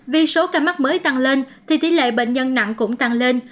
vì số ca mắc mới tăng lên thì tỷ lệ bệnh nhân nặng cũng tăng lên